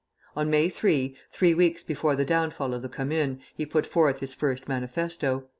On May 8, three weeks before the downfall of the Commune, he put forth his first manifesto.